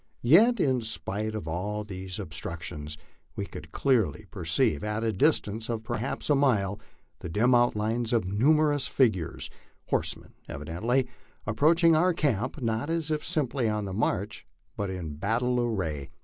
Yet in spite of all these obstructions we could clearly perceive, at a distance of perhaps a mile, the dim outlines of numerous figures horsemen evidently approaching our camp, not as if simply on the march, but in battle array.